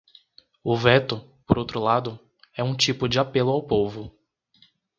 O veto, por outro lado, é um tipo de apelo ao povo.